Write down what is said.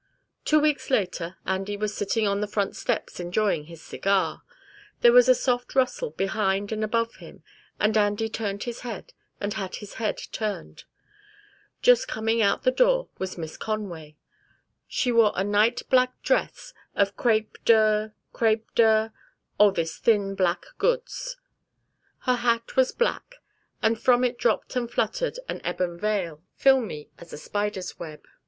Two weeks later Andy was sitting on the front steps enjoying his cigar. There was a soft rustle behind and above him, and Andy turned his head and had his head turned. Just coming out the door was Miss Conway. She wore a night black dress of crêpe de crêpe de oh, this thin black goods. Her hat was black, and from it drooped and fluttered an ebon veil, filmy as a spider's web.